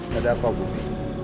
tidak apa bumi